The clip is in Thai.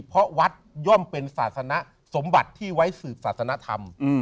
เพราะวัดย่อมเป็นศาสนสมบัติที่ไว้สืบศาสนธรรม